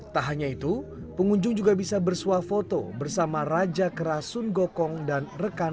tak hanya itu pengunjung juga bisa bersuah foto bersama raja kerasun gokong dan rekannya